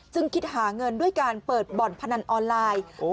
คิดหาเงินด้วยการเปิดบ่อนพนันออนไลน์